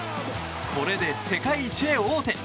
これで世界一へ王手。